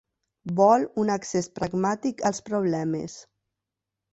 Vol un accés pragmàtic als problemes.